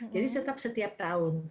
jadi tetap setiap tahun